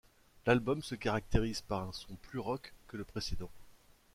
L'album se caractérise par un son plus rock que le précédent.